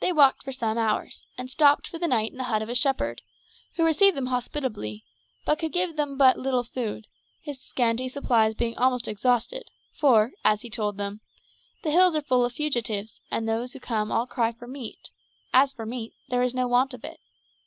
They walked for some hours, and stopped for the night in the hut of a shepherd, who received them hospitably, but could give them but little food, his scanty supplies being almost exhausted, for, as he told them, "the hills are full of fugitives, and those who come all cry for meal; as for meat, there is no want of it.